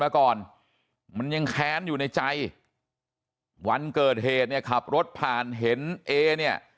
มาก่อนมันยังแขนอยู่ในใจวันเกิดเหทขับรถผ่านเห็นเอนี่